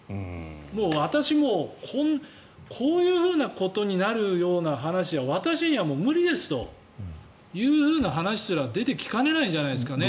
私も、こういうふうなことになるような話じゃ私には無理ですという話すら出てきかねないんじゃないですかね